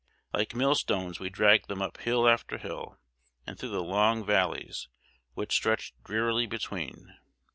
Like millstones we dragged them up hill after hill, and through the long valleys which stretched drearily between.